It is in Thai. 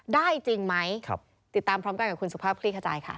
จริงไหมติดตามพร้อมกันกับคุณสุภาพคลี่ขจายค่ะ